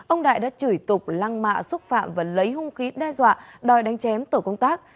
ông đại đã chửi tục lăng mạ xúc phạm và lấy hung khí đe dọa đòi đánh chém tổ công tác